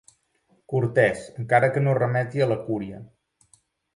Cortès, encara que no remeti a la cúria.